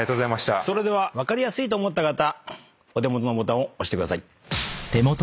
では分かりやすいと思った方お手元のボタンを押してください。